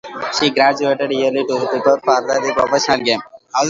She graduated early to prepare for the professional game.